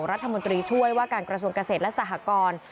รัฐมนตรีช่วยว่าการกระทรวงเกษตรและสหกร